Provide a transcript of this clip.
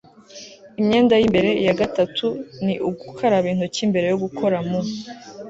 imyenda y'imbere. iya gatatu ni ugukaraba intoki mbere yo gukora mu